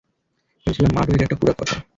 ভেবেছিলাম মাড ওয়েরি একটা পুরাকথা।